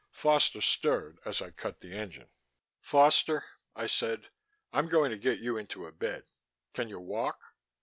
Foster stirred as I cut the engine. "Foster," I said. "I'm going to get you into a bed. Can you walk?"